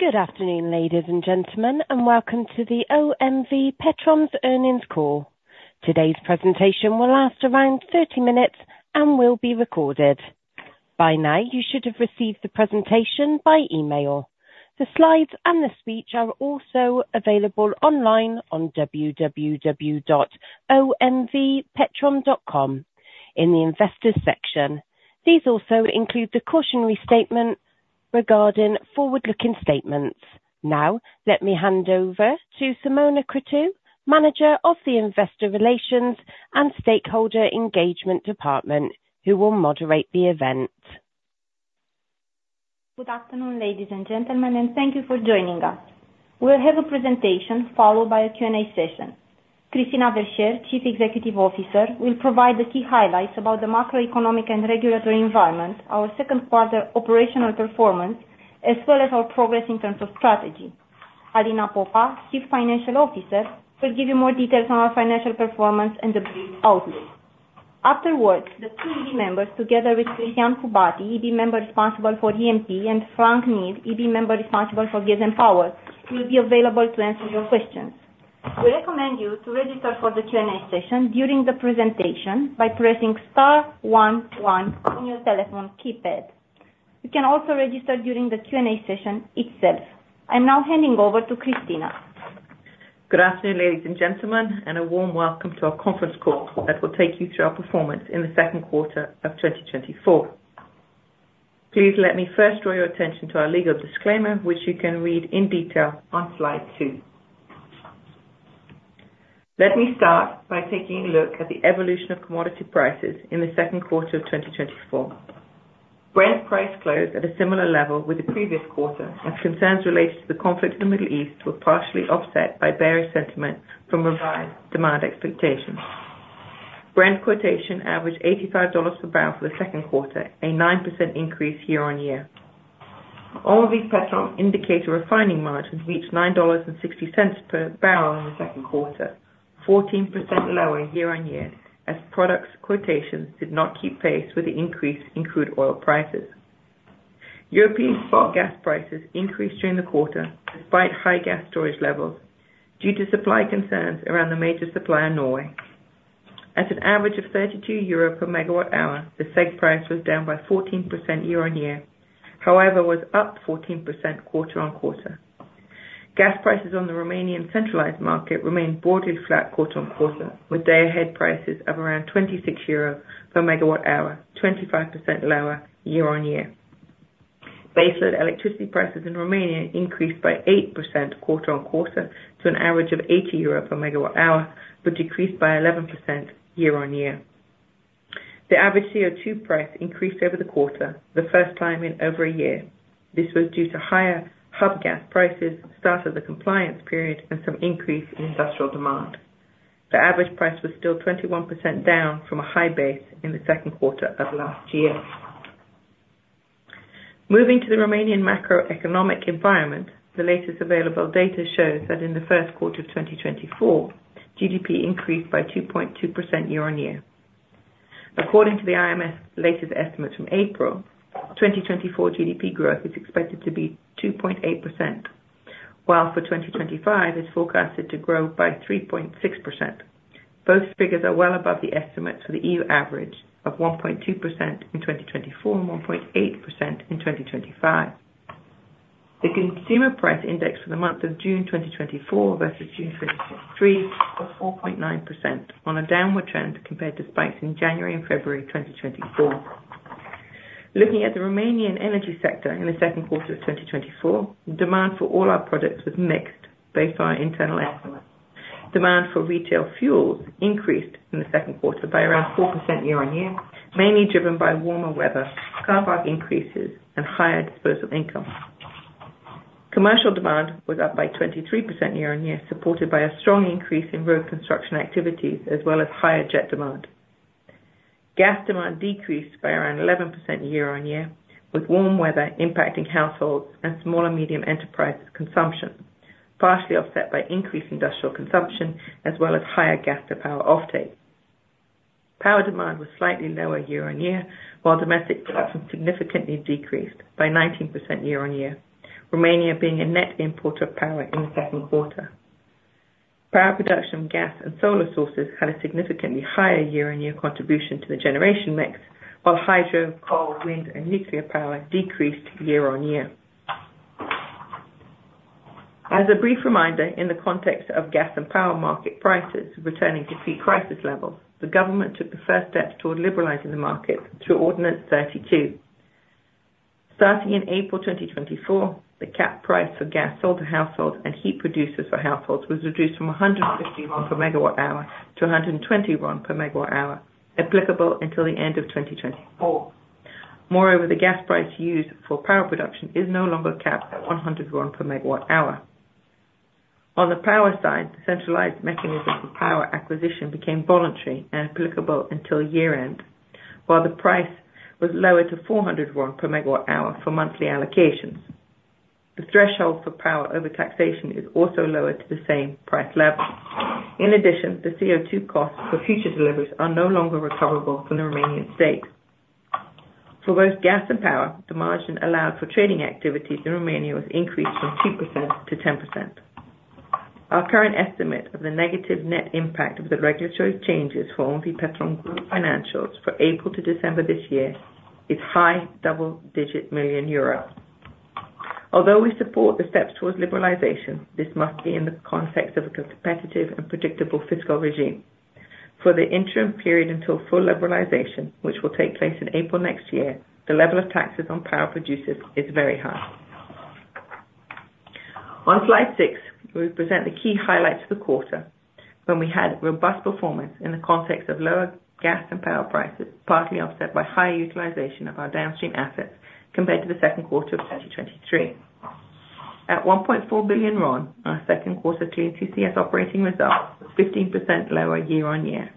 Good afternoon, ladies and gentlemen, and welcome to the OMV Petrom Earnings Call. Today's presentation will last around 30 minutes and will be recorded. By now, you should have received the presentation by email. The slides and the speech are also available online on www.omvpetrom.com in the investors' section. These also include the cautionary statement regarding forward-looking statements. Now, let me hand over to Simona Cruțu, Manager of the Investor Relations and Stakeholder Engagement Department, who will moderate the event. Good afternoon, ladies and gentlemen, and thank you for joining us. We'll have a presentation followed by a Q&A session. Christina Verchere, Chief Executive Officer, will provide the key highlights about the macroeconomic and regulatory environment, our second quarter operational performance, as well as our progress in terms of strategy. Alina Popa, Chief Financial Officer, will give you more details on our financial performance and the brief outlook. Afterwards, the two EB members, together with Cristian Hubati, EB member responsible for E&P, and Franck Neel, EB member responsible for Gas and Power, will be available to answer your questions. We recommend you to register for the Q&A session during the presentation by pressing star one one on your telephone keypad. You can also register during the Q&A session itself. I'm now handing over to Christina. Good afternoon, ladies and gentlemen, and a warm welcome to our conference call that will take you through our performance in the second quarter of 2024. Please let me first draw your attention to our legal disclaimer, which you can read in detail on slide two. Let me start by taking a look at the evolution of commodity prices in the second quarter of 2024. Brent price closed at a similar level with the previous quarter, as concerns related to the conflict in the Middle East were partially offset by bearish sentiment from revised demand expectations. Brent quotation averaged $85 per barrel for the second quarter, a 9% increase year-on-year. OMV Petrom's refining indicator margins reached $9.60 per barrel in the second quarter, 14% lower year-on-year, as products quotations did not keep pace with the increase in crude oil prices. European spot gas prices increased during the quarter despite high gas storage levels due to supply concerns around the major supplier, Norway. At an average of 32 euro per MWh, the CEGH price was down by 14% year-on-year, however was up 14% quarter-on-quarter. Gas prices on the Romanian centralized market remained broadly flat quarter-on-quarter, with day-ahead prices of around 26 euro per MWh, 25% lower year-on-year. Baseload electricity prices in Romania increased by 8% quarter-on-quarter to an average of 80 euro per MWh, but decreased by 11% year-on-year. The average CO2 price increased over the quarter, the first time in over a year. This was due to higher hub gas prices, start of the compliance period, and some increase in industrial demand. The average price was still 21% down from a high base in the second quarter of last year. Moving to the Romanian macroeconomic environment, the latest available data shows that in the first quarter of 2024, GDP increased by 2.2% year-over-year. According to the IMF's latest estimates from April 2024, GDP growth is expected to be 2.8%, while for 2025 it's forecasted to grow by 3.6%. Both figures are well above the estimates for the EU average of 1.2% in 2024 and 1.8% in 2025. The consumer price index for the month of June 2024 versus June 2023 was 4.9%, on a downward trend compared to spikes in January and February 2024. Looking at the Romanian energy sector in the second quarter of 2024, demand for all our products was mixed, based on our internal estimates. Demand for retail fuels increased in the second quarter by around 4% year-on-year, mainly driven by warmer weather, car park increases, and higher disposable income. Commercial demand was up by 23% year-on-year, supported by a strong increase in road construction activities, as well as higher jet demand. Gas demand decreased by around 11% year-on-year, with warm weather impacting households and small and medium enterprise consumption, partially offset by increased industrial consumption, as well as higher gas-to-power offtake. Power demand was slightly lower year-on-year, while domestic production significantly decreased by 19% year-on-year, Romania being a net importer of power in the second quarter. Power production from gas and solar sources had a significantly higher year-on-year contribution to the generation mix, while hydro, coal, wind, and nuclear power decreased year-on-year. As a brief reminder, in the context of gas and power market prices returning to pre-crisis levels, the government took the first steps toward liberalizing the market through Ordinance 32. Starting in April 2024, the cap price for gas sold to households and heat producers for households was reduced from RON 50 per MWh to RON 120 per MWh, applicable until the end of 2024. Moreover, the gas price used for power production is no longer capped at RON 100 per MWh. On the power side, the centralized mechanism for power acquisition became voluntary and applicable until year-end, while the price was lowered to RON 400 per MWh for monthly allocations. The threshold for power over-taxation is also lowered to the same price level. In addition, the CO2 costs for future deliveries are no longer recoverable from the Romanian state. For both gas and power, the margin allowed for trading activities in Romania was increased from 2%-10%. Our current estimate of the negative net impact of the regulatory changes for OMV Petrom financials for April to December this year is high double-digit million EUR. Although we support the steps towards liberalization, this must be in the context of a competitive and predictable fiscal regime. For the interim period until full liberalization, which will take place in April next year, the level of taxes on power producers is very high. On slide six, we present the key highlights of the quarter, when we had robust performance in the context of lower gas and power prices, partly offset by higher utilization of our downstream assets compared to the second quarter of 2023. At RON 1.4 billion, our second quarter clean CCS operating results were 15% lower year-on-year.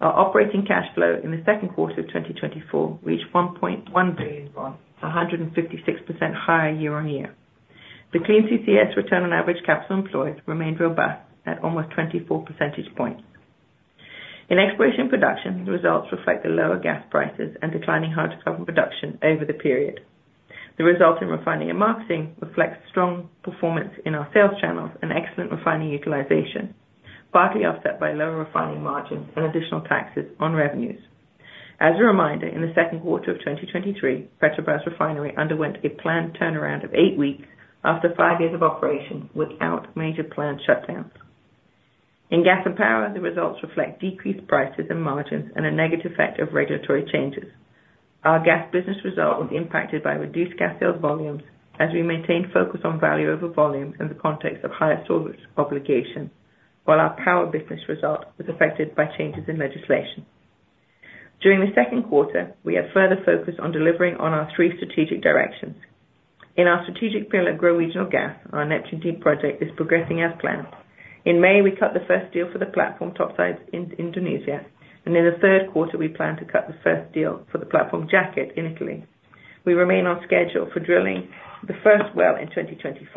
Our operating cash flow in the second quarter of 2024 reached RON 1.1 billion, 156% higher year-on-year. The clean CCS ROACE remained robust at almost 24 percentage points. In exploration production, the results reflect the lower gas prices and declining hydrocarbon production over the period. The result in refining and marketing reflects strong performance in our sales channels and excellent refining utilization, partly offset by lower refining margins and additional taxes on revenues. As a reminder, in the second quarter of 2023, Petrobrazi Refinery underwent a planned turnaround of eight weeks after five years of operation without major planned shutdowns. In gas and power, the results reflect decreased prices and margins and a negative effect of regulatory changes. Our gas business result was impacted by reduced gas sales volumes as we maintained focus on value over volume in the context of higher service obligations, while our power business result was affected by changes in legislation. During the second quarter, we had further focus on delivering on our three strategic directions. In our strategic pillar Grow Regional Gas, our Neptun Deep project is progressing as planned. In May, we cut the first deal for the platform topsides in Indonesia, and in the third quarter, we plan to cut the first deal for the platform jacket in Italy. We remain on schedule for drilling the first well in 2025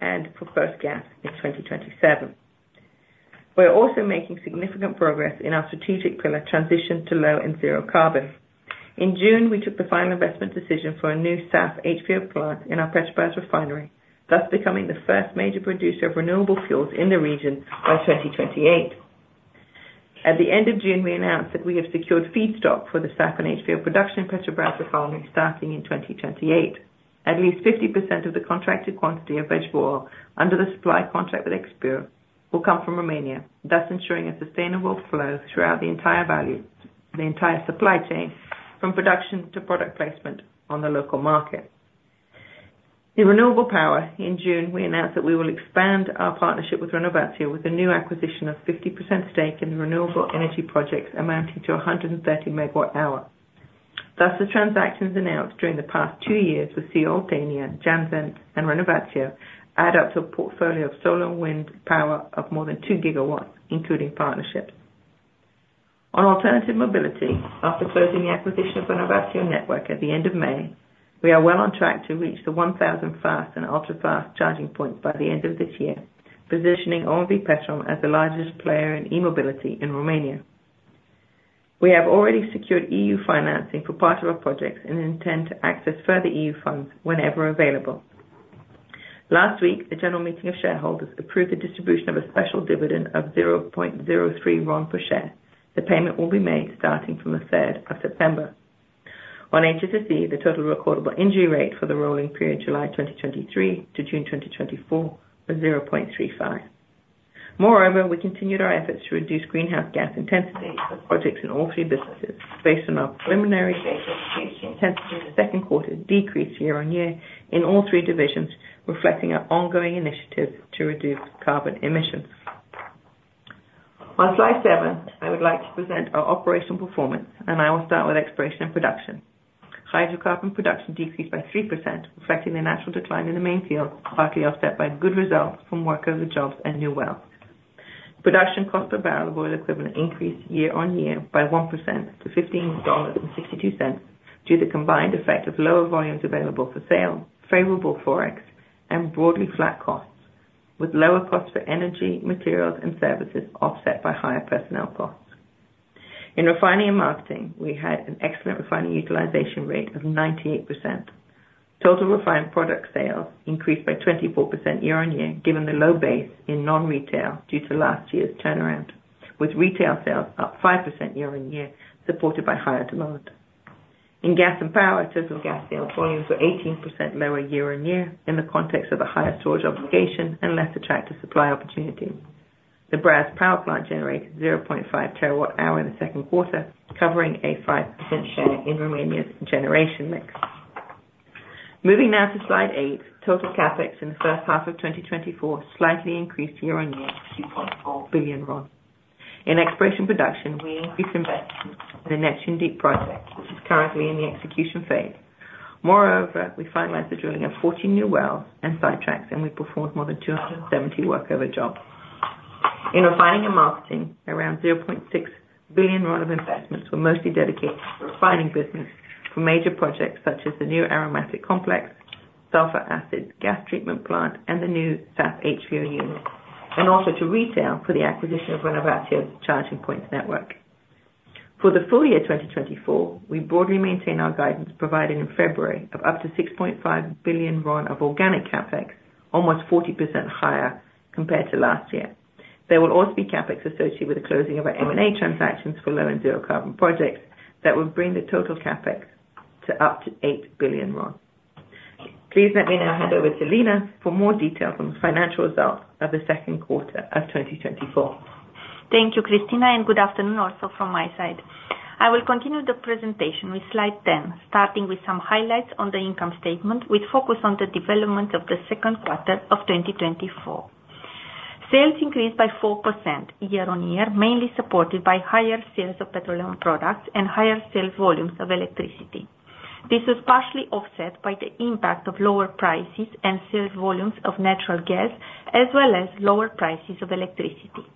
and for first gas in 2027. We're also making significant progress in our strategic pillar transition to low and zero carbon. In June, we took the final investment decision for a new SAF HVO plant in our Petrobrazi Refinery, thus becoming the first major producer of renewable fuels in the region by 2028. At the end of June, we announced that we have secured feedstock for the SAF and HVO production in Petrobrazi Refinery starting in 2028. At least 50% of the contracted quantity of vegetable oil under the supply contract with Expur will come from Romania, thus ensuring a sustainable flow throughout the entire supply chain from production to product placement on the local market. In renewable power, in June, we announced that we will expand our partnership with Renovatio with a new acquisition of 50% stake in the renewable energy projects amounting to 130 MWh. Thus, the transactions announced during the past two years with CE Oltenia, Jantzen Renewables, and Renovatio add up to a portfolio of solar and wind power of more than 2 GW, including partnerships. On alternative mobility, after closing the acquisition of Renovatio Network at the end of May, we are well on track to reach the 1,000 fast and ultra-fast charging points by the end of this year, positioning OMV Petrom as the largest player in e-mobility in Romania. We have already secured EU financing for part of our projects and intend to access further EU funds whenever available. Last week, the general meeting of shareholders approved the distribution of a special dividend of 0.03 RON per share. The payment will be made starting from the 3rd of September. On HSSE, the total recordable injury rate for the rolling period July 2023 to June 2024 was 0.35. Moreover, we continued our efforts to reduce greenhouse gas intensity for projects in all three businesses. Based on our preliminary data, GHG intensity in the second quarter decreased year-on-year in all three divisions, reflecting our ongoing initiative to reduce carbon emissions. On slide seven, I would like to present our operational performance, and I will start with exploration and production. Hydrocarbon production decreased by 3%, reflecting the natural decline in the main field, partly offset by good results from workovers and new wells. Production cost per barrel of oil equivalent increased year-on-year by 1% to $15.62 due to the combined effect of lower volumes available for sale, favorable forex, and broadly flat costs, with lower costs for energy, materials, and services offset by higher personnel costs. In refining and marketing, we had an excellent refining utilization rate of 98%. Total refined product sales increased by 24% year-on-year, given the low base in non-retail due to last year's turnaround, with retail sales up 5% year-on-year, supported by higher demand. In gas and power, total gas sales volumes were 18% lower year-on-year in the context of a higher storage obligation and less attractive supply opportunity. The Brazi Power Plant generated 0.5 TWh in the second quarter, covering a 5% share in Romania's generation mix. Moving now to slide eight, total CapEx in the first half of 2024 slightly increased year-on-year to RON 2.4 billion. In exploration production, we increased investment in the Neptun Deep project, which is currently in the execution phase. Moreover, we finalized the drilling of 14 new wells and sidetracks, and we performed more than 270 workover jobs. In refining and marketing, around RON 0.6 billion of investments were mostly dedicated to the refining business for major projects such as the new aromatic complex, sulfur acid gas treatment plant, and the new SAF HVO unit, and also to retail for the acquisition of Renovatio's charging points network. For the full year 2024, we broadly maintain our guidance provided in February of up to RON 6.5 billion of organic capex, almost 40% higher compared to last year. There will also be capex associated with the closing of our M&A transactions for low and zero carbon projects that will bring the total capex to up to RON 8 billion. Please let me now hand over to Alina for more details on the financial results of the second quarter of 2024. Thank you, Christina, and good afternoon also from my side. I will continue the presentation with slide 10, starting with some highlights on the income statement with focus on the development of the second quarter of 2024. Sales increased by 4% year-on-year, mainly supported by higher sales of petroleum products and higher sales volumes of electricity. This was partially offset by the impact of lower prices and sales volumes of natural gas, as well as lower prices of electricity.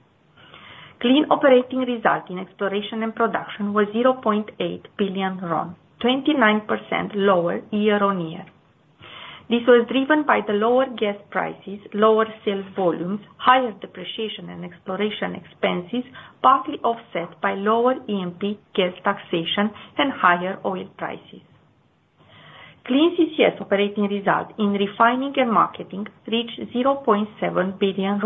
Clean operating result in exploration and production was RON 0.8 billion, 29% lower year-on-year. This was driven by the lower gas prices, lower sales volumes, higher depreciation and exploration expenses, partly offset by lower E&P gas taxation and higher oil prices. Clean CCS operating result in refining and marketing reached RON 0.7 billion,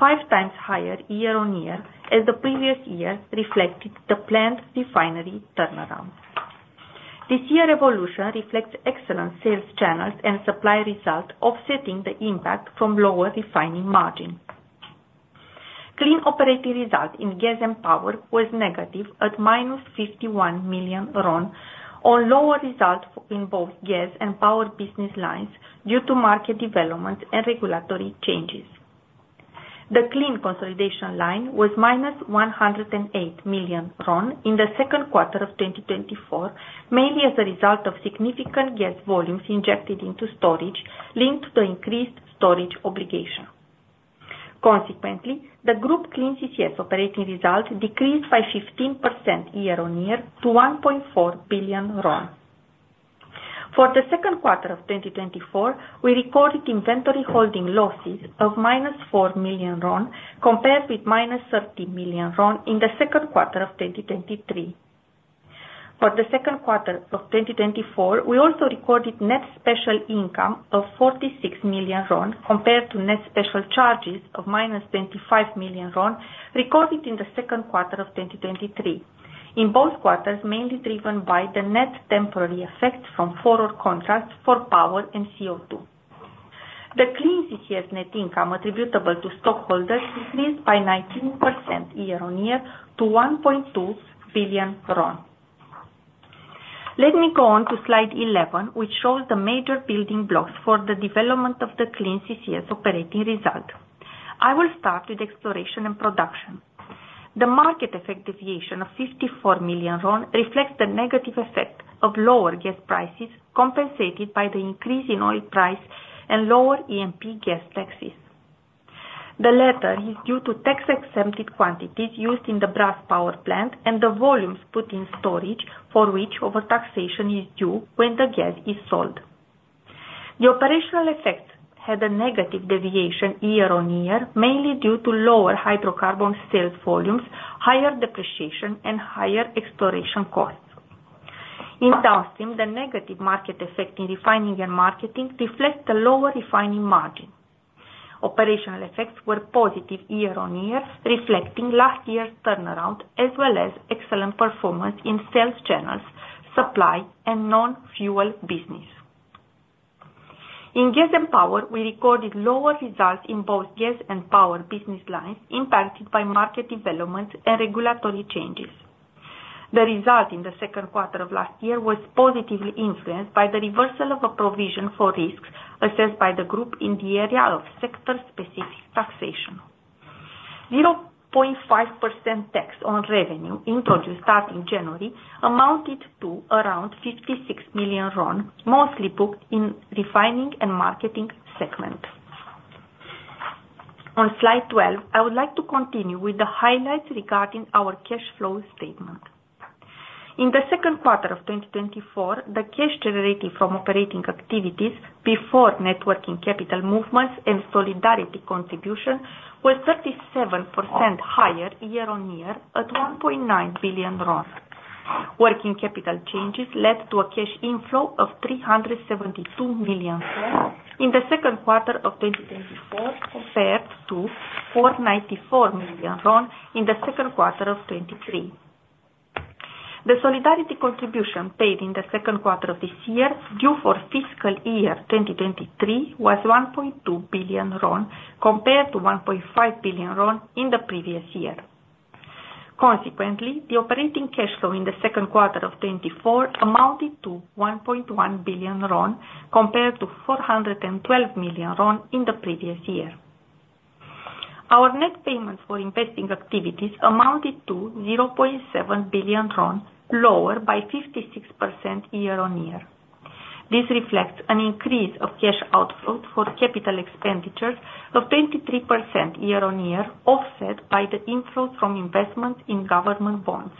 five times higher year-on-year, as the previous year reflected the planned refinery turnaround. This year's evolution reflects excellent sales channels and supply result, offsetting the impact from lower refining margin. Clean operating result in gas and power was negative at -51 million RON on lower result in both gas and power business lines due to market developments and regulatory changes. The clean consolidation line was -108 million RON in the second quarter of 2024, mainly as a result of significant gas volumes injected into storage linked to the increased storage obligation. Consequently, the group clean CCS operating result decreased by 15% year-on-year to 1.4 billion RON. For the second quarter of 2024, we recorded inventory holding losses of -4 million RON compared with -30 million RON in the second quarter of 2023. For the second quarter of 2024, we also recorded net special income of RON 46 million compared to net special charges of minus RON 25 million recorded in the second quarter of 2023, in both quarters mainly driven by the net temporary effects from forward contracts for power and CO2. The clean CCS net income attributable to stockholders increased by 19% year-on-year to RON 1.2 billion. Let me go on to slide 11, which shows the major building blocks for the development of the clean CCS operating result. I will start with exploration and production. The market effect deviation of RON 54 million reflects the negative effect of lower gas prices compensated by the increase in oil price and lower E&P gas taxes. The latter is due to tax-exempted quantities used in the Brazi Power Plant and the volumes put in storage for which overtaxation is due when the gas is sold. The operational effects had a negative deviation year-on-year, mainly due to lower hydrocarbon sales volumes, higher depreciation, and higher exploration costs. In downstream, the negative market effect in refining and marketing reflects the lower refining margin. Operational effects were positive year-on-year, reflecting last year's turnaround, as well as excellent performance in sales channels, supply, and non-fuel business. In gas and power, we recorded lower results in both gas and power business lines impacted by market developments and regulatory changes. The result in the second quarter of last year was positively influenced by the reversal of a provision for risks assessed by the group in the area of sector-specific taxation. 0.5% tax on revenue introduced starting January amounted to around RON 56 million, mostly booked in refining and marketing segment. On slide 12, I would like to continue with the highlights regarding our cash flow statement. In the second quarter of 2024, the cash generated from operating activities before net working capital movements and solidarity contribution was 37% higher year-on-year at RON 1.9 billion. Working capital changes led to a cash inflow of RON 372 million in the second quarter of 2024 compared to RON 494 million in the second quarter of 2023. The solidarity contribution paid in the second quarter of this year due for fiscal year 2023 was RON 1.2 billion compared to RON 1.5 billion in the previous year. Consequently, the operating cash flow in the second quarter of 2024 amounted to RON 1.1 billion compared to RON 412 million in the previous year. Our net payments for investing activities amounted to RON 0.7 billion, lower by 56% year on year. This reflects an increase of cash outflow for capital expenditures of 23% year on year, offset by the inflow from investment in government bonds.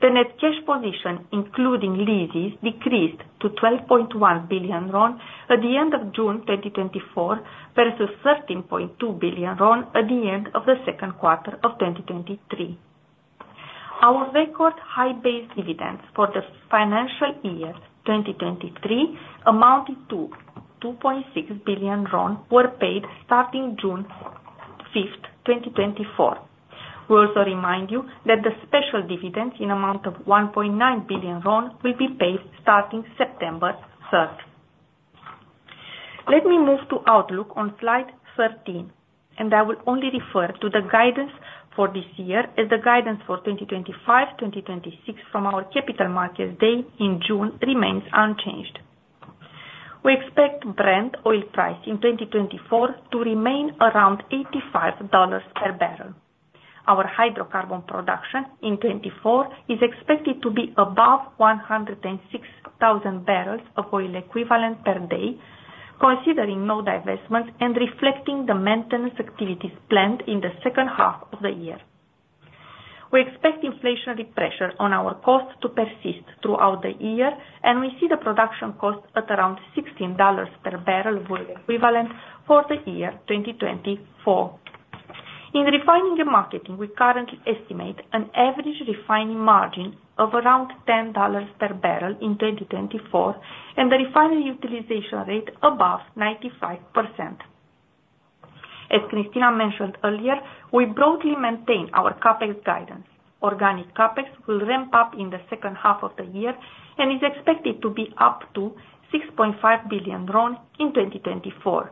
The net cash position, including leases, decreased to RON 12.1 billion at the end of June 2024 versus RON 13.2 billion at the end of the second quarter of 2023. Our record high base dividends for the financial year 2023 amounted to RON 2.6 billion, were paid starting June 5th, 2024. We also remind you that the special dividends in the amount of RON 1.9 billion will be paid starting September 3. Let me move to Outlook on slide 13, and I will only refer to the guidance for this year as the guidance for 2025-2026 from our capital markets day in June remains unchanged. We expect Brent oil price in 2024 to remain around $85 per barrel. Our hydrocarbon production in 2024 is expected to be above 106,000 barrels of oil equivalent per day, considering no divestment and reflecting the maintenance activities planned in the second half of the year. We expect inflationary pressure on our cost to persist throughout the year, and we see the production cost at around $16 per barrel equivalent for the year 2024. In refining and marketing, we currently estimate an average refining margin of around $10 per barrel in 2024 and the refinery utilization rate above 95%. As Christina mentioned earlier, we broadly maintain our CapEx guidance. Organic CapEx will ramp up in the second half of the year and is expected to be up to RON 6.5 billion in 2024.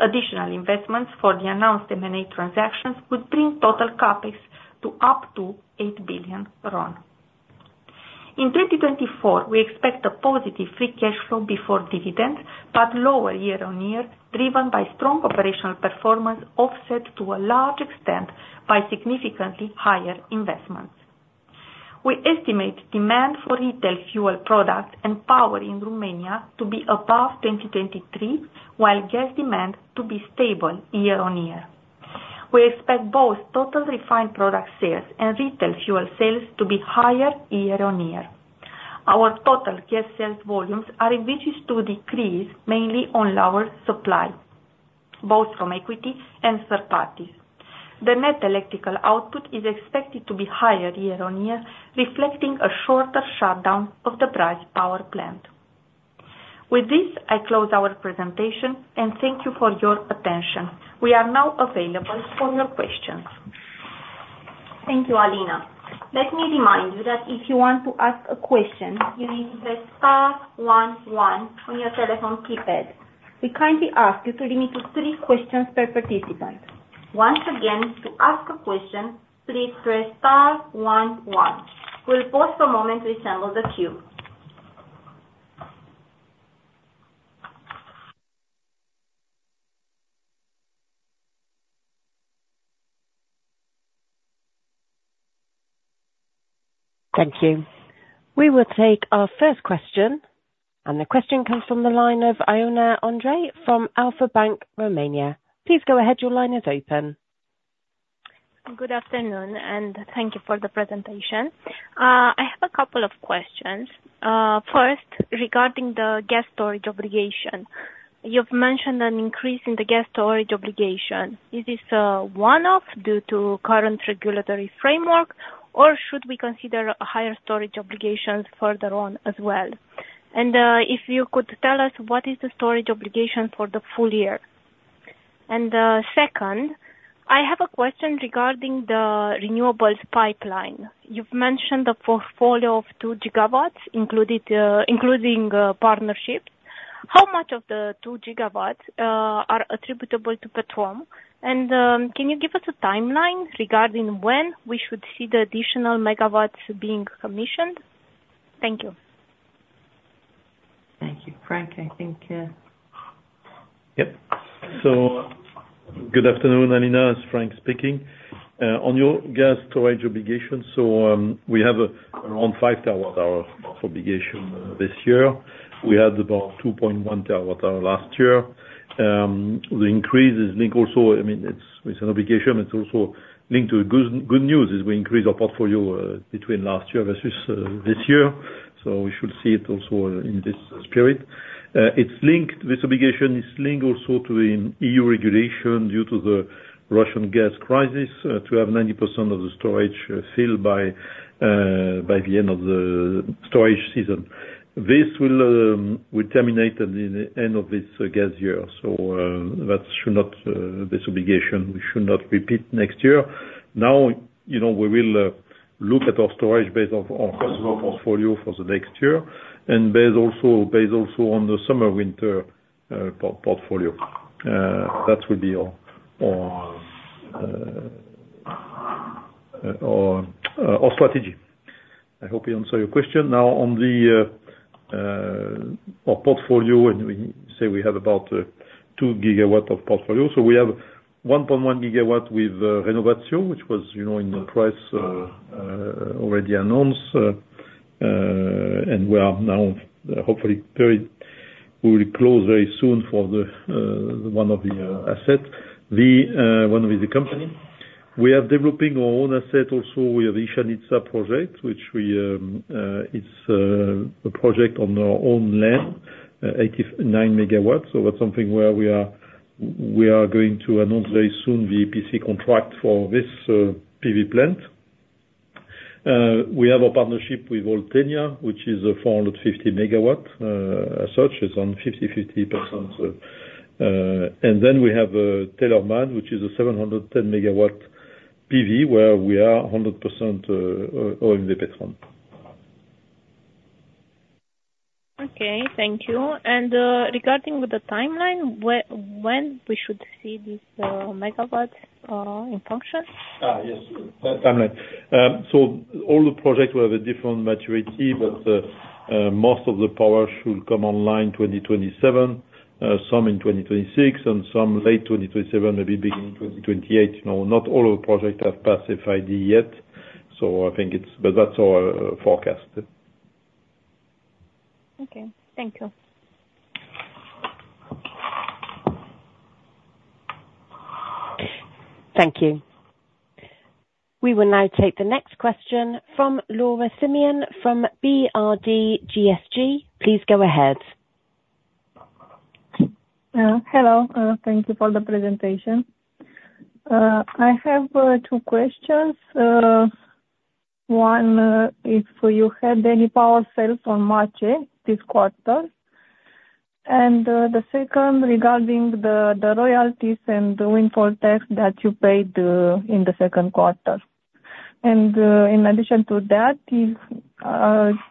Additional investments for the announced M&A transactions would bring total CapEx to up to RON 8 billion. In 2024, we expect a positive free cash flow before dividends, but lower year-on-year, driven by strong operational performance offset to a large extent by significantly higher investments. We estimate demand for retail fuel products and power in Romania to be above 2023, while gas demand to be stable year-on-year. We expect both total refined product sales and retail fuel sales to be higher year-on-year. Our total gas sales volumes are expected to decrease, mainly on lower supply, both from equity and third parties. The net electrical output is expected to be higher year-on-year, reflecting a shorter shutdown of the Brazi Power Plant. With this, I close our presentation and thank you for your attention. We are now available for your questions. Thank you, Alina. Let me remind you that if you want to ask a question, you need to press star one one on your telephone keypad. We kindly ask you to limit to three questions per participant. Once again, to ask a question, please press star one one. We'll pause for a moment to assemble the queue. Thank you. We will take our first question, and the question comes from the line of Ioana Andrei from Alpha Bank Romania. Please go ahead. Your line is open. Good afternoon, and thank you for the presentation. I have a couple of questions. First, regarding the gas storage obligation, you've mentioned an increase in the gas storage obligation. Is this one-off due to current regulatory framework, or should we consider higher storage obligations further on as well? And if you could tell us, what is the storage obligation for the full year? And second, I have a question regarding the renewables pipeline. You've mentioned the portfolio of 2 GW, including partnerships. How much of the 2 GW are attributable to Petrom? And can you give us a timeline regarding when we should see the additional megawatts being commissioned? Thank you. Thank you, Franck. So good afternoon, Everyone. It's Franck speaking. On your gas storage obligation, so we have around 5 TWh obligation this year. We had about 2.1 TWh last year. The increase is linked also, I mean, it's an obligation, but it's also linked to good news as we increase our portfolio between last year versus this year. So we should see it also in this spirit. This obligation is linked also to the EU regulation due to the Russian gas crisis to have 90% of the storage filled by the end of the storage season. This will terminate at the end of this gas year. So that should not, this obligation, we should not repeat next year. Now, we will look at our storage base of our portfolio for the next year and base also on the summer-winter portfolio. That will be our strategy. I hope I answered your question. Now, on our portfolio, we say we have about 2 GW of portfolio. So we have 1.1 GW with Renovatio, which was in the price already announced, and we are now hopefully very we will close very soon for one of the assets, one of the company. We are developing our own asset also. We have the Ișalnița project, which is a project on our own land, 89 MW. So that's something where we are going to announce very soon the EPC contract for this PV plant. We have a partnership with Oltenia, which is 450 MW as such. It's on 50/50. And then we have Teleorman, which is a 710 MW PV where we are 100% OMV Petrom. Okay. Thank you. And regarding the timeline, when we should see these megawatts in function? Yes. Timeline. So all the projects will have a different maturity, but most of the power should come online 2027, some in 2026, and some late 2027, maybe beginning 2028. Not all of the projects have passed FID yet. So I think it's, but that's our forecast. Okay. Thank you. Thank you. We will now take the next question from Laura Simion from BRD GSG. Please go ahead. Hello. Thank you for the presentation. I have two questions. One, if you had any power sales on MACEE this quarter. And the second, regarding the royalties and the windfall tax that you paid in the second quarter. And in addition to that,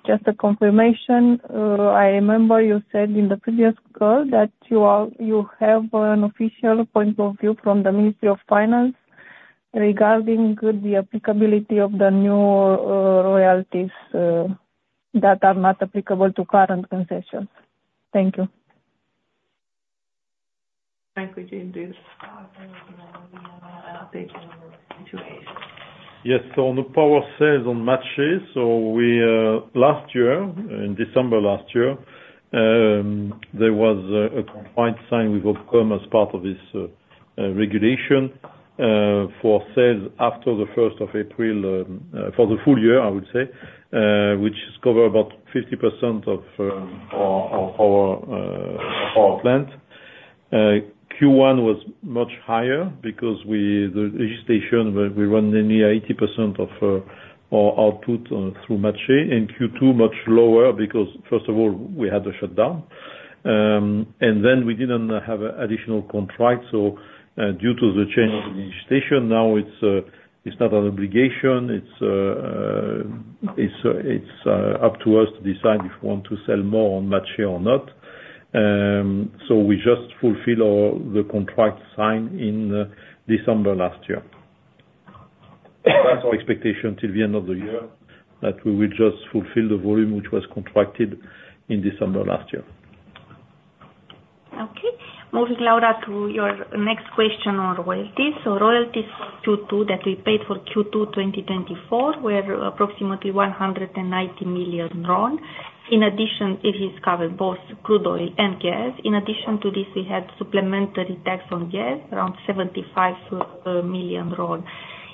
just a confirmation, I remember you said in the previous call that you have an official point of view from the Ministry of Finance regarding the applicability of the new royalties that are not applicable to current concessions. Thank you. Franck, do you do yourself? Yes. So on the power sales on MACEE, so last year, in December last year, there was a signing with OPCOM as part of this regulation for sales after the 1st of April, for the full year, I would say, which covered about 50% of our power plant. Q1 was much higher because the legislation we run nearly 80% of our output through MACEE. And Q2, much lower because, first of all, we had a shutdown. Then we didn't have additional contracts. Due to the change of the legislation, now it's not an obligation. It's up to us to decide if we want to sell more on MACEE or not. We just fulfilled the contract signed in December last year. That's our expectation till the end of the year, that we will just fulfill the volume which was contracted in December last year. Okay. Moving now to your next question on royalties. Royalties Q2 that we paid for Q2 2024 were approximately RON 190 million. In addition, it is covered both crude oil and gas. In addition to this, we had supplementary tax on gas, around RON 75 million.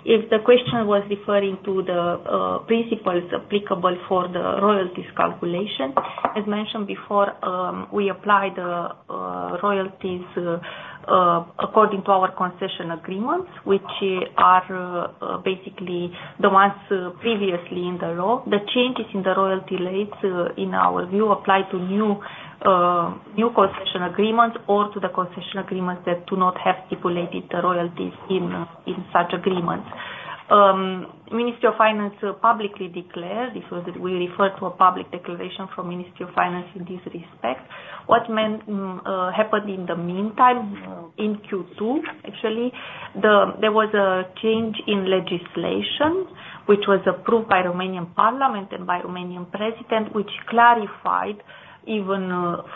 If the question was referring to the principles applicable for the royalties calculation, as mentioned before, we applied royalties according to our concession agreements, which are basically the ones previously in the law. The changes in the royalty rates, in our view, apply to new concession agreements or to the concession agreements that do not have stipulated royalties in such agreements. Ministry of Finance publicly declared this was that we referred to a public declaration from Ministry of Finance in this respect. What happened in the meantime in Q2, actually, there was a change in legislation which was approved by Romanian Parliament and by Romanian President, which clarified even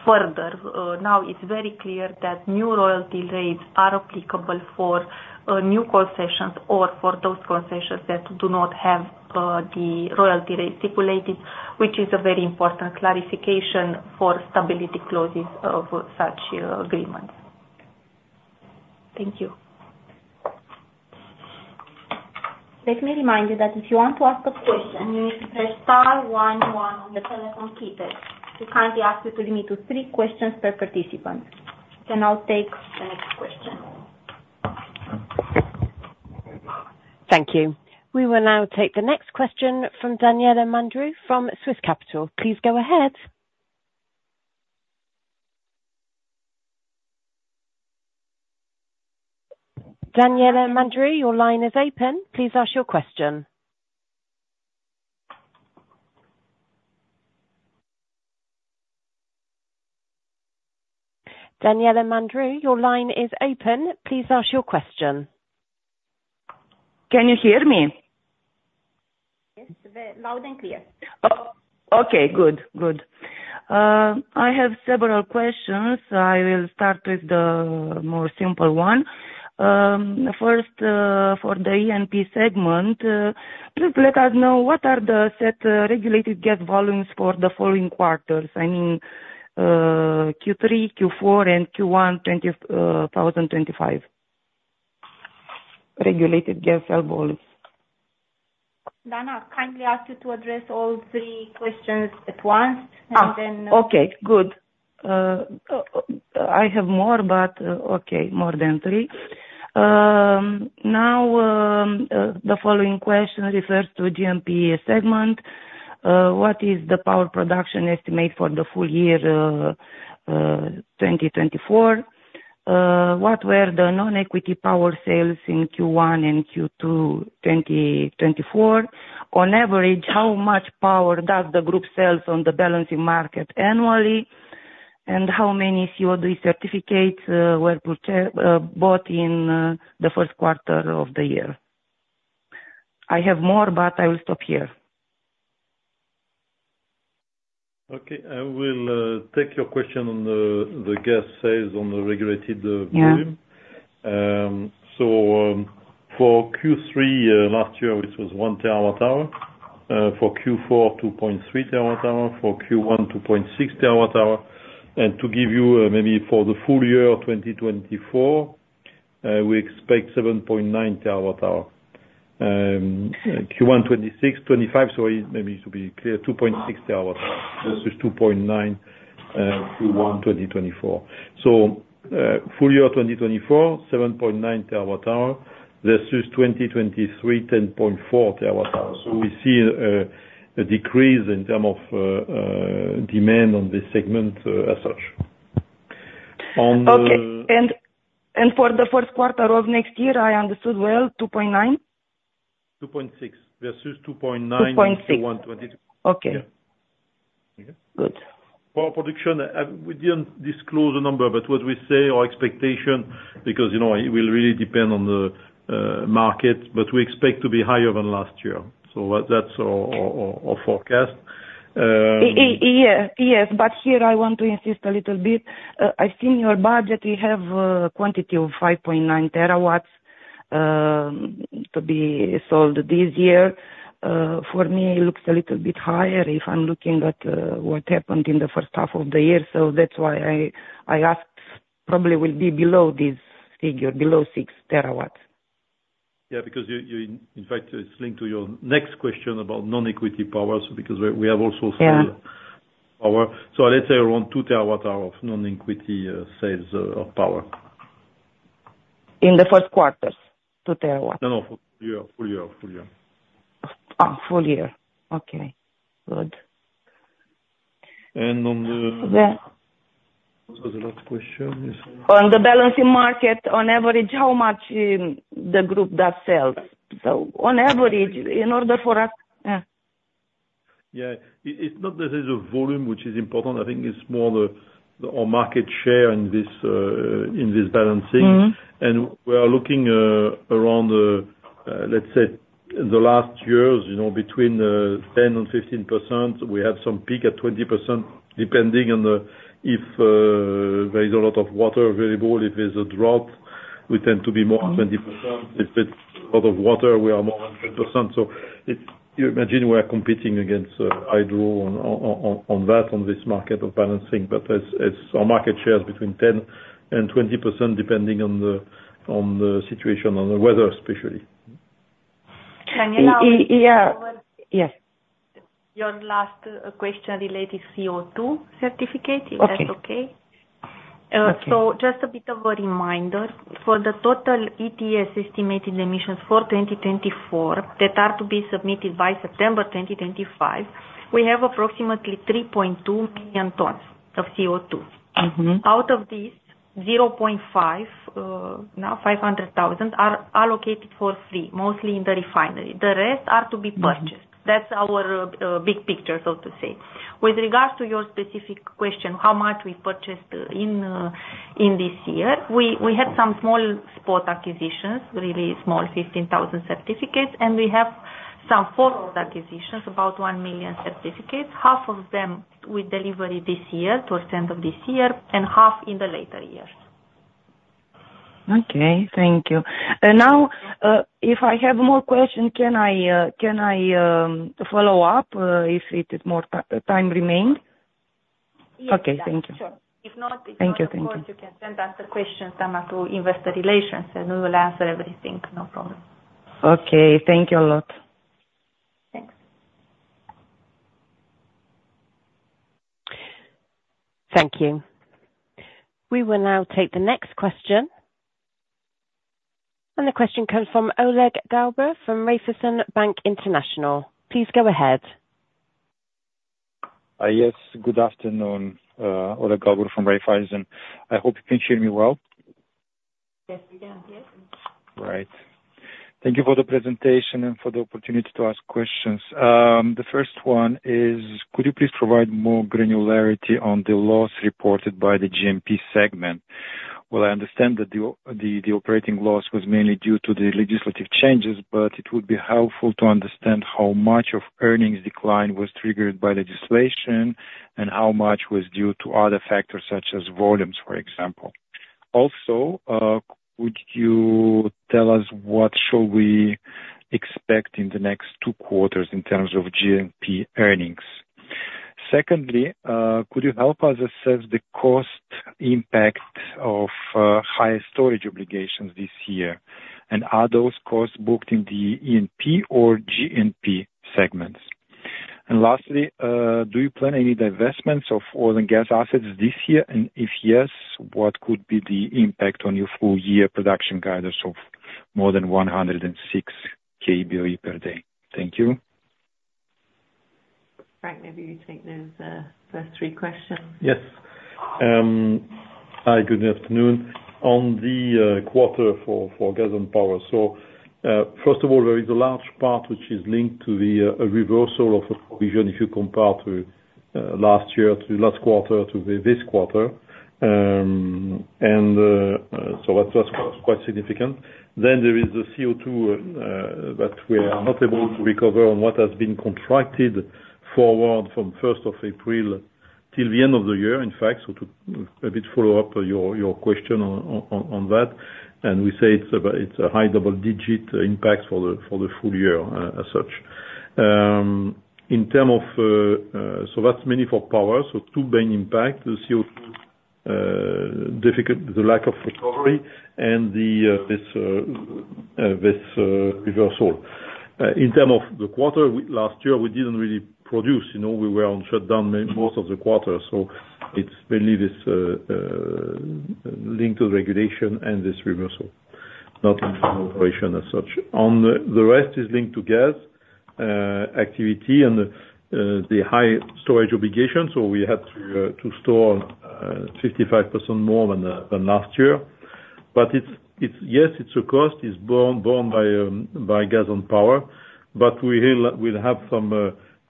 further. Now, it's very clear that new royalty rates are applicable for new concessions or for those concessions that do not have the royalty rate stipulated, which is a very important clarification for stability clauses of such agreements. Thank you. Let me remind you that if you want to ask a question, you need to press star 11 on the telephone keypad. We kindly ask you to limit to three questions per participant. You can now take the next question. Thank you. We will now take the next question from Daniela Mândru from Swiss Capital. Please go ahead. Daniela Mândru, your line is open. Please ask your question. Daniela Mândru, your line is open. Please ask your question. Can you hear me? Yes. Loud and clear. Okay. Good. Good. I have several questions. I will start with the more simple one. First, for the ENP segment, please let us know what are the set regulated gas volumes for the following quarters, I mean, Q3, Q4, and Q1 2025, regulated gas sale volumes. Dana, kindly ask you to address all three questions at once, and then. Okay. Good. I have more, but okay, more than three. Now, the following question refers to G&P segment. What is the power production estimate for the full year 2024? What were the non-equity power sales in Q1 and Q2 2024? On average, how much power does the group sell from the balancing market annually? And how many CO2 certificates were bought in the first quarter of the year? I have more, but I will stop here. Okay. I will take your question on the gas sales on the regulated volume. So for Q3 last year, it was 1 TWh. For Q4, 2.3 TWh. For Q1, 2.6 TWh. And to give you maybe for the full year 2024, we expect 7.9 TWh. Q1 2023, 2024, sorry, maybe to be clear, 2.6 TWh versus 2.9 TWh Q1 2024. So full year 2024, 7.9 TWh versus 2023, 10.4 TWh. So we see a decrease in terms of demand on this segment as such. Okay. And for the first quarter of next year, I understood well, 2.9? 2.6 versus 2.9 Q1 2022. 2.6. Okay. Good. Power production, we didn't disclose the number, but what we say, our expectation, because it will really depend on the market, but we expect to be higher than last year. So that's our forecast. Yes. But here, I want to insist a little bit. I've seen your budget. We have a quantity of 5.9 TWh to be sold this year. For me, it looks a little bit higher if I'm looking at what happened in the first half of the year. So that's why I asked probably will be below this figure, below 6 TWh. Yeah. Because in fact, it's linked to your next question about non-equity power, because we have also sold power. So let's say around 2 TWh of non-equity sales of power. In the first quarters, 2 TWh? No, no. Full year. Full year. Full year. Full year. Okay. Good. And on the. What was the last question? On the balancing market, on average, how much the group does sell? So on average, in order for us. Yeah. Yeah. It's not that there's a volume which is important. I think it's more our market share in this balancing. And we are looking around, let's say, the last years, between 10% and 15%. We have some peak at 20%, depending on if there is a lot of water available. If there's a drought, we tend to be more than 20%. If it's a lot of water, we are more than 10%. So you imagine we are competing against hydro on that, on this market of balancing. But our market share is between 10%-20%, depending on the situation, on the weather, especially. Daniela. Yes. Your last question related to CO2 certificate. Is that okay? Okay. So just a bit of a reminder. For the total ETS estimated emissions for 2024 that are to be submitted by September 2025, we have approximately 3.2 million tons of CO2. Out of this, 0.5, now 500,000, are allocated for free, mostly in the refinery. The rest are to be purchased. That's our big picture, so to say. With regards to your specific question, how much we purchased in this year, we had some small spot acquisitions, really small, 15,000 certificates. And we have some forward acquisitions, about 1 million certificates. Half of them we delivered this year, towards the end of this year, and half in the later years. Okay. Thank you. Now, if I have more questions, can I follow up if it is more time remained? Yes. Yes. Sure. If not, if you want, you can send us the questions, Dana, to investor relations, and we will answer everything. No problem. Okay. Thank you a lot. Thanks. Thank you. We will now take the next question. And the question comes from Oleg Galbur from Raiffeisen Bank International. Please go ahead. Yes. Good afternoon. Oleg Galbur from Raiffeisen. I hope you can hear me well. Yes. We can. Yes. Right. Thank you for the presentation and for the opportunity to ask questions. The first one is, could you please provide more granularity on the loss reported by the GMP segment? Well, I understand that the operating loss was mainly due to the legislative changes, but it would be helpful to understand how much of earnings decline was triggered by legislation and how much was due to other factors such as volumes, for example. Also, could you tell us what shall we expect in the next two quarters in terms of G&P earnings? Secondly, could you help us assess the cost impact of higher storage obligations this year? And are those costs booked in the E&P or G&P segments? And lastly, do you plan any divestments of oil and gas assets this year? And if yes, what could be the impact on your full-year production guidance of more than 106 KBOE per day? Thank you. Franck, maybe you take those first three questions. Yes. Hi. Good afternoon. On the quarter for gas and power. So first of all, there is a large part which is linked to the reversal of provision if you compare last year to last quarter to this quarter. And so that's quite significant. Then there is the CO2 that we are not able to recover on what has been contracted forward from 1st of April till the end of the year, in fact. So to a bit follow up your question on that. And we say it's a high double-digit impact for the full year as such. In terms of so that's mainly for power. So two main impacts, the CO2, the lack of recovery, and this reversal. In terms of the quarter, last year, we didn't really produce. We were on shutdown most of the quarter. So it's mainly this link to the regulation and this reversal, not operation as such. On the rest is linked to gas activity and the high storage obligation. So we had to store 55% more than last year. But yes, it's a cost. It's borne by gas and power. But we will have some,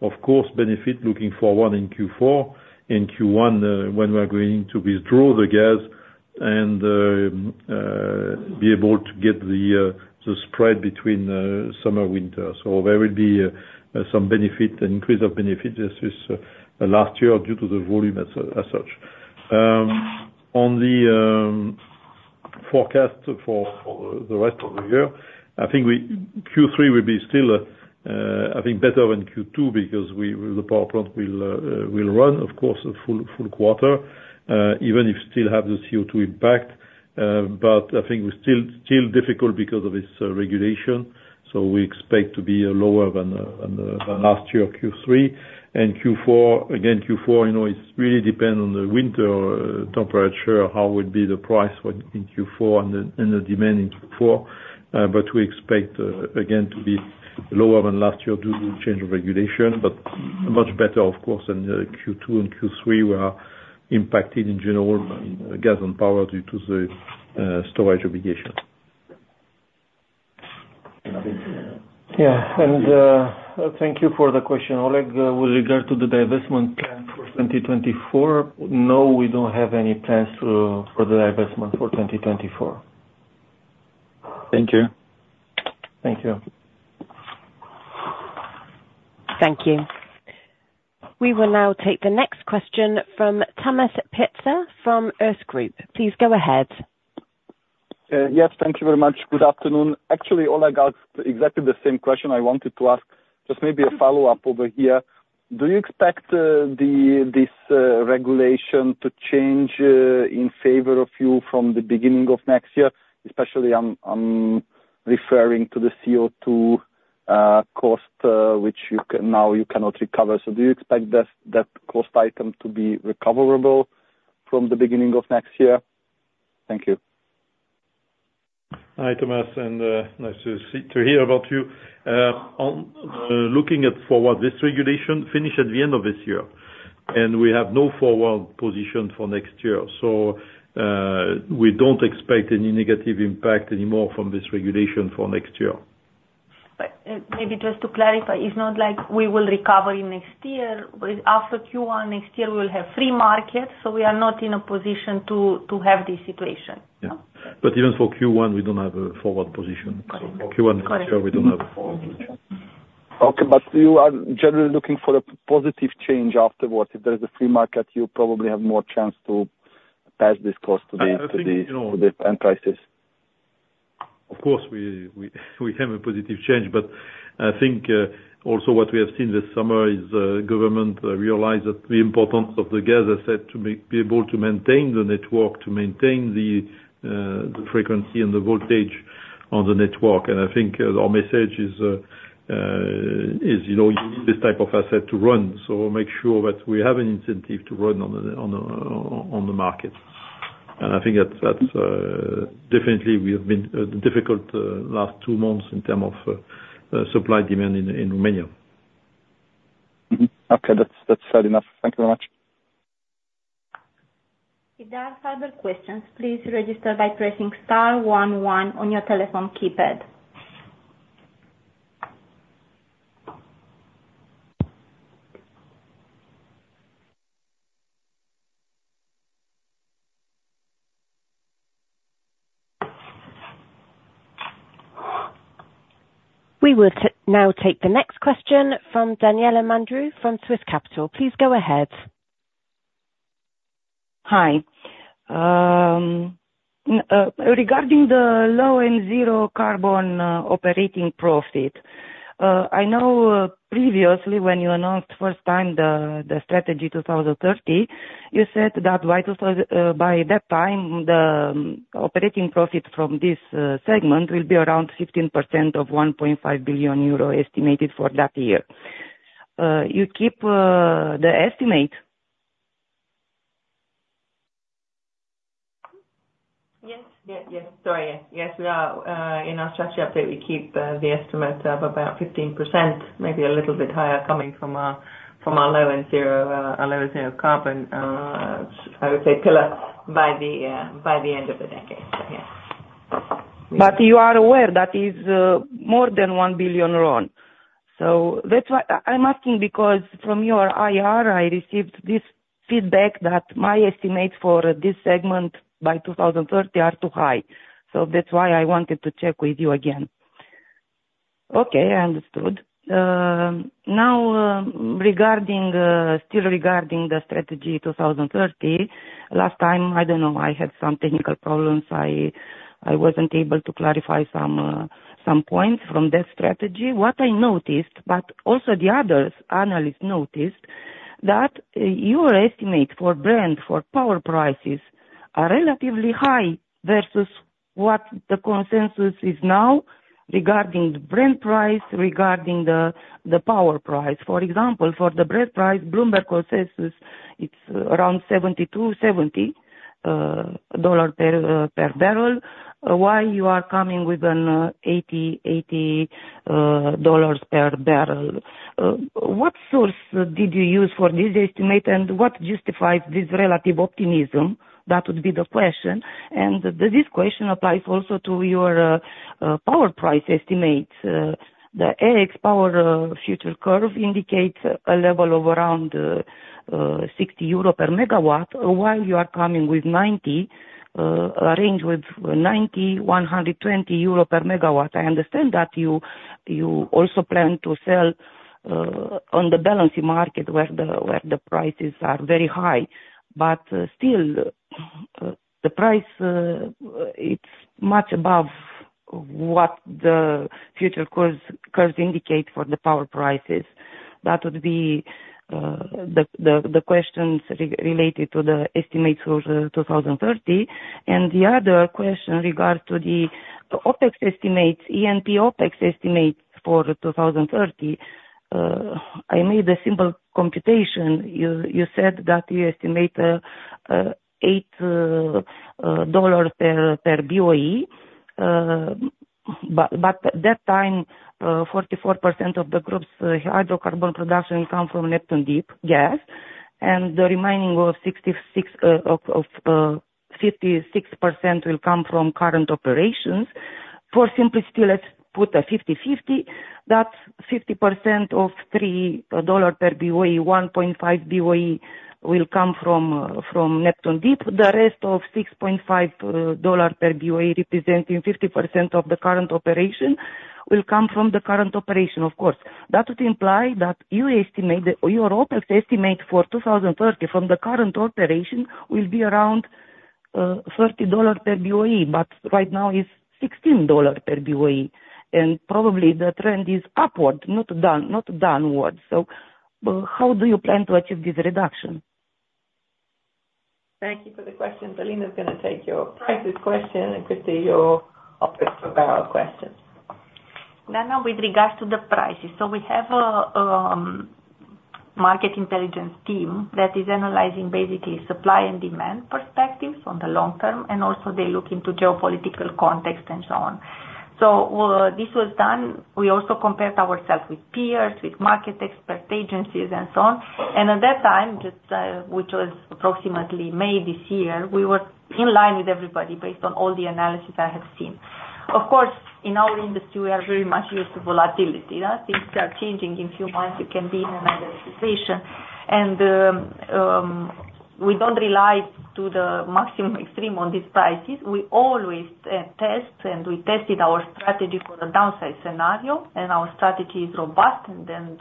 of course, benefit looking forward in Q4. In Q1, when we are going to withdraw the gas and be able to get the spread between summer and winter. So there will be some benefit, an increase of benefit versus last year due to the volume as such. On the forecast for the rest of the year, I think Q3 will be still, I think, better than Q2 because the power plant will run, of course, full quarter, even if still have the CO2 impact. But I think still difficult because of its regulation. So we expect to be lower than last year, Q3. And Q4, again, Q4, it really depends on the winter temperature, how will be the price in Q4 and the demand in Q4. But we expect, again, to be lower than last year due to change of regulation, but much better, of course, than Q2 and Q3, where impacted in general gas and power due to the storage obligation. Yeah. And thank you for the question, Oleg. With regard to the divestment plan for 2024, no, we don't have any plans for the divestment for 2024. Thank you. Thank you. Thank you. We will now take the next question from Tamás Pletser from Erste Group. Please go ahead. Yes. Thank you very much. Good afternoon. Actually, Oleg, exactly the same question I wanted to ask. Just maybe a follow-up over here. Do you expect this regulation to change in favor of you from the beginning of next year, especially, I'm referring to the CO2 cost, which now you cannot recover? So do you expect that cost item to be recoverable from the beginning of next year? Thank you. Hi, Thomas. And nice to hear about you. Looking forward, this regulation finished at the end of this year, and we have no forward position for next year. So we don't expect any negative impact anymore from this regulation for next year. Maybe just to clarify, it's not like we will recover in next year. After Q1, next year, we will have free market. So we are not in a position to have this situation. Yeah. But even for Q1, we don't have a forward position. For Q1 next year, we don't have a forward position. Okay. But you are generally looking for a positive change afterwards. If there's a free market, you probably have more chance to pass this cost to the end customer. Of course, we have a positive change. But I think also what we have seen this summer is the government realized the importance of the gas asset to be able to maintain the network, to maintain the frequency and the voltage on the network. And I think our message is you need this type of asset to run. So make sure that we have an incentive to run on the market. And I think that's definitely. We have been difficult the last two months in terms of supply and demand in Romania. Okay. That's fair enough. Thank you very much. If there are further questions, please register by pressing star 11 on your telephone keypad. We will now take the next question from Daniela Mândru from Swiss Capital. Please go ahead. Hi. Regarding the low and zero carbon operating profit, I know previously when you announced first time the Strategy 2030, you said that by that time, the operating profit from this segment will be around 15% of 1.5 billion euro estimated for that year. You keep the estimate? Yes. Yes. Yes. Sorry. Yes. In our structure update, we keep the estimate of about 15%, maybe a little bit higher coming from our low and zero carbon, I would say, pillar by the end of the decade. So yes. But you are aware that is more than RON 1 billion. So that's why I'm asking because from your IR, I received this feedback that my estimates for this segment by 2030 are too high. So that's why I wanted to check with you again. Okay. I understood. Now, still regarding the strategy 2030, last time, I don't know, I wasn't able to clarify some points from that strategy. What I noticed, but also the other analysts noticed, that your estimate for Brent, for power prices are relatively high versus what the consensus is now regarding the Brent price, regarding the power price. For example, for the Brent price, Bloomberg consensus, it's around $72-$70 per barrel. Why you are coming with an 80, 80 dollars per barrel? What source did you use for this estimate? And what justifies this relative optimism? That would be the question. And does this question apply also to your power price estimates? The EEX power future curve indicates a level of around 60 euro per MWh, while you are coming with 90, a range with 90-120 euro per MWh. I understand that you also plan to sell on the balancing market where the prices are very high. But still, the price, it's much above what the future curves indicate for the power prices. That would be the questions related to the estimates for 2030. And the other question regards to the OPEX estimates, ENP OPEX estimates for 2030. I made a simple computation. You said that you estimate $8 per BOE. But at that time, 44% of the group's hydrocarbon production will come from Neptune Deep gas. And the remaining of 56% will come from current operations. For simplicity, let's put a 50/50. That 50% of $3 per BOE, $1.5 per BOE will come from Neptune Deep. The rest of $6.5 per BOE, representing 50% of the current operation, will come from the current operation, of course. That would imply that your OPEX estimate for 2030 from the current operation will be around $30 per BOE, but right now is $16 per BOE. Probably the trend is upward, not downward. How do you plan to achieve this reduction? Thank you for the question. Alina is going to take your prices question and Christina your OPEX for power question. With regards to the prices, we have a market intelligence team that is analyzing basically supply and demand perspectives on the long term, and also they look into geopolitical context and so on. This was done. We also compared ourselves with peers, with market experts, agencies, and so on. And at that time, which was approximately May this year, we were in line with everybody based on all the analysis I have seen. Of course, in our industry, we are very much used to volatility. Things are changing in a few months. You can be in another situation. And we don't rely to the maximum extreme on these prices. We always test, and we tested our strategy for the downside scenario. And our strategy is robust and then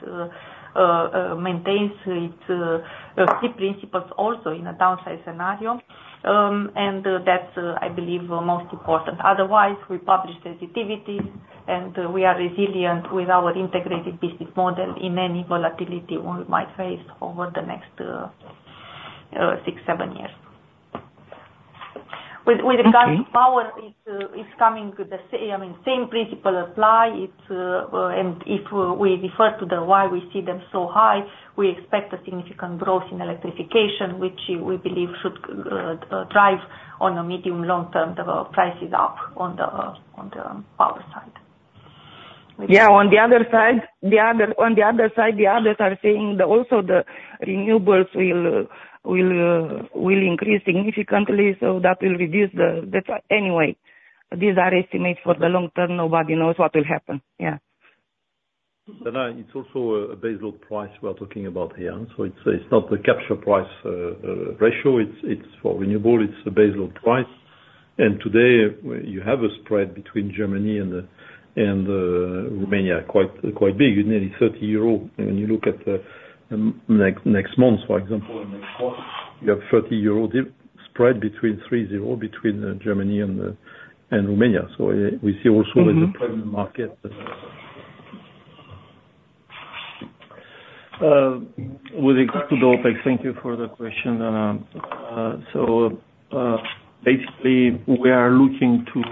maintains its key principles also in a downside scenario. And that's, I believe, most important. Otherwise, we publish sensitivities, and we are resilient with our integrated business model in any volatility we might face over the next six, seven years. With regards to power, it's coming the same. I mean, same principle applies. And if we refer to the why we see them so high, we expect a significant growth in electrification, which we believe should drive on a medium-long term the prices up on the power side. Yeah. On the other side, on the other side, the others are saying that also the renewables will increase significantly. So that will reduce the anyway, these are estimates for the long term. Nobody knows what will happen. Yeah. Dana, it's also a baseload price we are talking about here. So it's not the capture price ratio. It's for renewable. It's a baseload price. And today, you have a spread between Germany and Romania quite big, nearly 30 euro. And when you look at next month, for example, and next quarter, you have 30 euro spread between 30 EUR between Germany and Romania. So we see also with the premium market. With regards to the OPEX, thank you for the question, Dana. So basically, we are looking to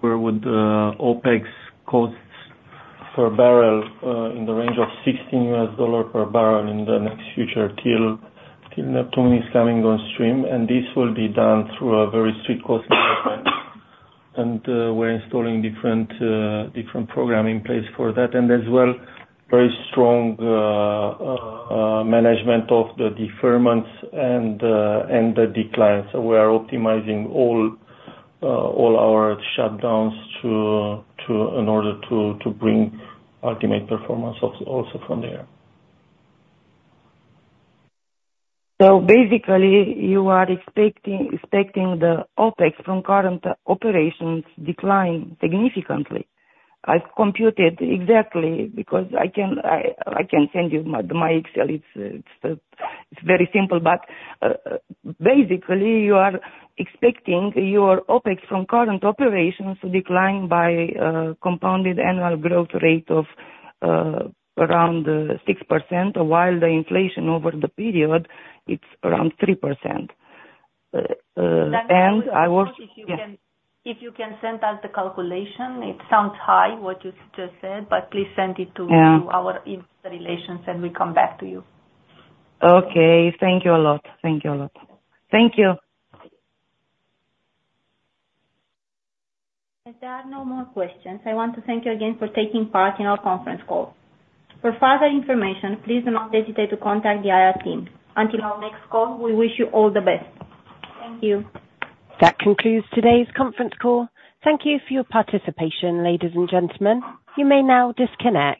where would the OpEx costs per barrel in the range of $16 per barrel in the next future till Neptune is coming on stream. And this will be done through a very strict cost management. And we're installing different programming in place for that. And as well, very strong management of the deferments and the declines. So we are optimizing all our shutdowns in order to bring ultimate performance also from there. So basically, you are expecting the OpEx from current operations decline significantly. I've computed exactly because I can send you my Excel. It's very simple. But basically, you are expecting your OpEx from current operations to decline by compounded annual growth rate of around 6%, while the inflation over the period, it's around 3%. And I will. If you can send us the calculation, it sounds high, what you just said, but please send it to Investor Relations and we come back to you. Okay. Thank you a lot. Thank you a lot. Thank you. If there are no more questions, I want to thank you again for taking part in our conference call. For further information, please do not hesitate to contact the IR team. Until our next call, we wish you all the best. Thank you. That concludes today's conference call. Thank you for your participation, ladies and gentlemen. You may now disconnect.